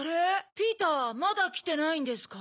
ピーターまだきてないんですか？